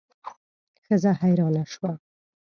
ښځه حیرانه شوه.